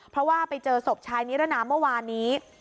เพราะว่าไปเจอศพชายนิรนามเมื่อวานนี้